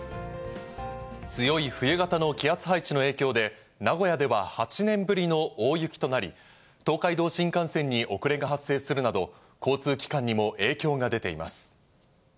強い冬型の気圧配置の影響で、名古屋では８年ぶりの大雪となり、東海道新幹線に遅れが発生するなど、交通機関にも影響が出ています。